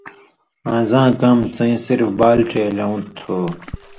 آں زاں کام څَیں صِرِف بال ڇېلیؤں تھُو۔“